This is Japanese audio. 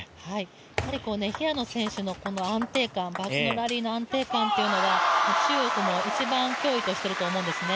やはり平野選手のバックのラリーの安定感は中国も一番脅威としていると思うんですよね。